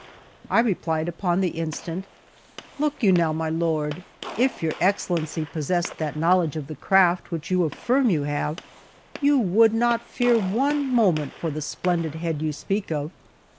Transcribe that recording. I replied upon the instant: "Look you now, my lord! If your Excellency possessed that knowledge of the craft which you affirm you have, you would not fear one moment for the splendid head you speak of.